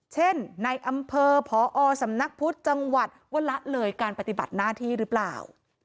เช่นในอำเภอพอสำนักพุทธจังหวัดว่าละเลยการปฏิบัติหน้าที่หรือเปล่า